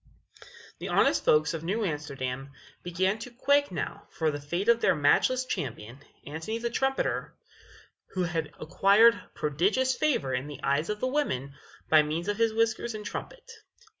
The honest folks of New Amsterdam began to quake now for the fate of their matchless champion, Antony the Trumpeter, who had acquired prodigious favor in the eyes of the women by means of his whiskers and his trumpet.